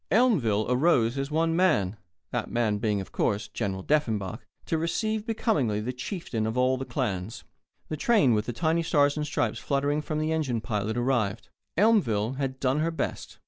Elmville arose as one man that man being, of course, General Deffenbaugh to receive becomingly the chieftain of all the clans. The train with the tiny Stars and Stripes fluttering from the engine pilot arrived. Elmville had done her best.